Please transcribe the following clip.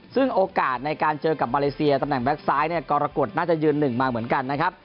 ซึ่งโอกาสในการเจอกับมาเลเซียตำแหน่งแก๊กซ้ายเนี่ยกรกฎน่าจะยืนหนึ่งมาเหมือนกันนะครับ